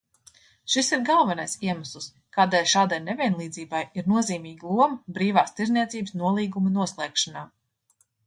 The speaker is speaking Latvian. Šis ir galvenais iemesls, kādēļ šādai nevienlīdzībai ir nozīmīga loma brīvās tirdzniecības nolīguma noslēgšanā.